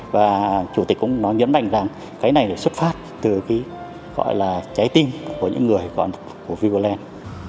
và chủ tịch cũng nói nhấn mạnh rằng cái này là xuất phát từ cái gọi là trái tim của những người còn của vivaland